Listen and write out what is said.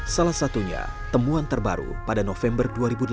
salah satunya temuan terbaru pada november dua ribu delapan belas